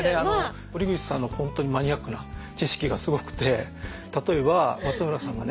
堀口さんの本当にマニアックな知識がすごくて例えば松村さんがね